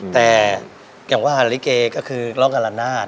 แต่อย่างว่าเล่นเกย์ก็คือร้องอรรณาศ